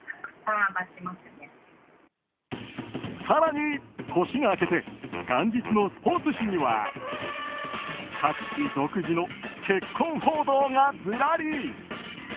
更に、年が明けて元日のスポーツ紙には各紙独自の結婚報道がずらり。